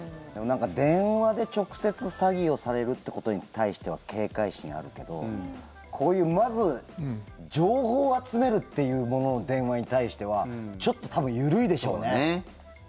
電話で直接詐欺をされるということに対しては警戒心あるけどこういう、まず情報を集めるというものの電話に対してはちょっと多分、緩いでしょうね。